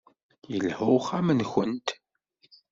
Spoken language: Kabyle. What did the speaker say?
Yelha uxxam-nwent.